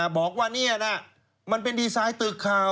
บอกว่านี่นะมันเป็นดีไซน์ตึกข่าว